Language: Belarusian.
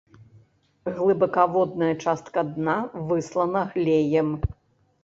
Глыбакаводная частка дна выслана глеем.